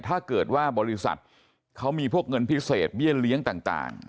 ถ้าเกิดว่าบริษัทเขามีพวกเงินพิเศษเบี้ยเลี้ยงต่าง